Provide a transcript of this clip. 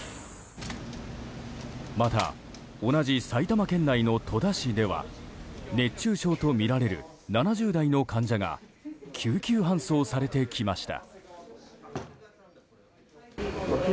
また、同じ埼玉県内の戸田市では熱中症とみられる７０代の患者が救急搬送されてきました。